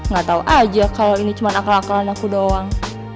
gak tau aja kalau ini cuma akal akalan aku doang